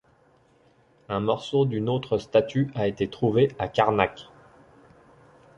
Un morceau d'une autre statue a été trouvé à Karnak.